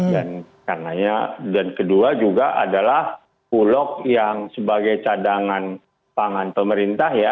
dan karenanya dan kedua juga adalah bulog yang sebagai cadangan pangan pemerintah ya